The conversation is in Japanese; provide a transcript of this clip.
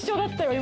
今。